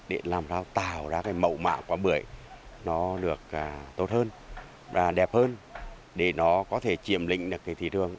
để làm sao tạo ra mẫu mạng quán bưởi tốt hơn đẹp hơn để nó có thể chiềm lịnh thị trường